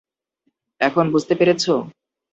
এখন বুঝতে পেরেছ?